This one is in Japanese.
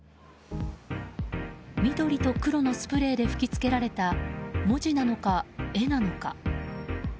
緑と黒のスプレーで吹きつけられた文字なのか、絵なのか。